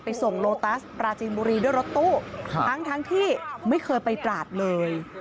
ส่งโลตัสปราจีนบุรีด้วยรถตู้ทั้งที่ไม่เคยไปตราดเลย